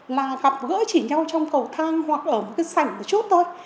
là gặp gỡ chỉ nhau trong cầu thang hoặc ở một cái sảnh một chút thôi